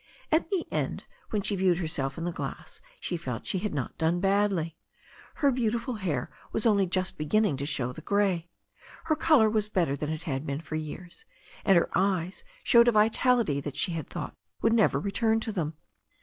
At the end, when she viewed herself in the glass, she felt she had not done badly. Her beautiful hair was only just be ginning to show the grey. Her colour was better than it had been for years, and her eyes showed a vitality that she had thought would never return to them.